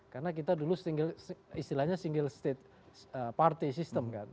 karena kita dulu istilahnya single state party system kan